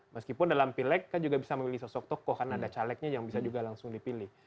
meskipun dalam pilek kan juga bisa memilih sosok tokoh karena ada calegnya yang bisa juga langsung dipilih